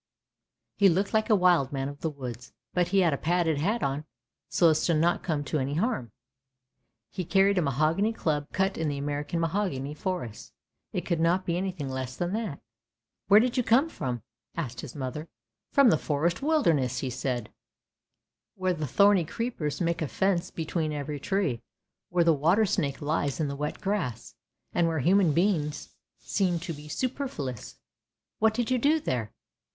" He looked like a wild man of the woods, but he had a padded hat on so as not to come to any harm. He carried a mahogany club cut in the American mahogany forests. It could not be anything less than that. " Where do you come from? " asked his mother. " From the forest wildernesses! " he said, " where the thorny creepers make a fence between every tree, where the water snake lies in the wet grass, and where human beings seem to be superfluous! "" What did you do there?